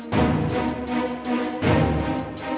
dengan segel nau